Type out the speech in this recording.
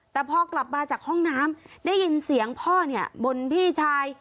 แต่พอกลับมาจากห้องน้ำได้ยินเสียงพ่อเนี่ยบ่นพี่ชาย